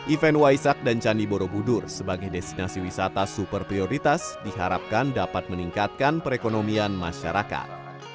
event waisak dan candi borobudur sebagai destinasi wisata super prioritas diharapkan dapat meningkatkan perekonomian masyarakat